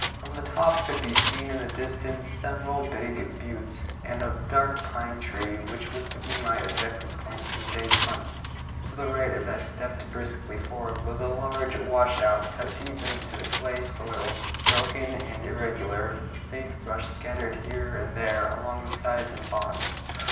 From the top could be seen in the distance several big buttes, and a dark pine tree, which was to be my objective point for the day's hunt. To the right, as I stepped briskly forward, was a large washout, cut deep into the clay soil, broken and irregular, with sage brush scattered here and there along its sides and bottom.